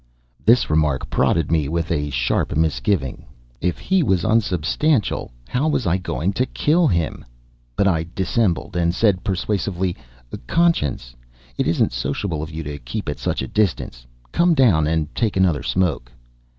This remark prodded me with a sharp misgiving. If he was unsubstantial, how was I going to kill him? But I dissembled, and said persuasively: "Conscience, it isn't sociable of you to keep at such a distance. Come down and take another smoke."